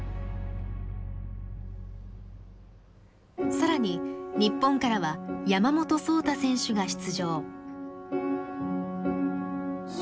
更に日本からは山本草太選手が出場。